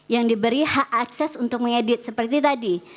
yang diberi hak akses untuk mengedit seperti tadi